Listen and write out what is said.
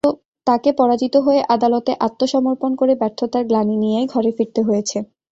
তাঁকে পরাজিত হয়ে আদালতে আত্মসমর্পণ করে ব্যর্থতার গ্লানি নিয়েই ঘরে ফিরতে হয়েছে।